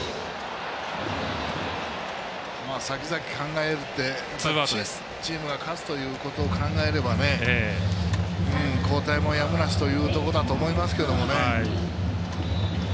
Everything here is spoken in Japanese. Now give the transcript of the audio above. さきざき考えてチームが勝つということを考えれば交代もやむなしというところだと思いますけどね。